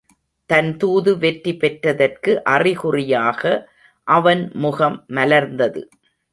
தன் தூது வெற்றி பெற்றதற்கு அறிகுறியாக அவன் முகம் மலர்ந்தது.